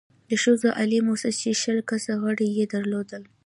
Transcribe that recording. د ښځو عالي مؤسسه چې شل کسه غړې يې درلودل،